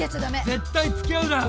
絶対付き合うな。